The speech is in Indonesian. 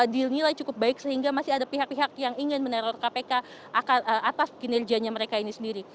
dinilai cukup baik sehingga masih ada pihak pihak yang ingin meneror kpk atas kinerjanya mereka ini sendiri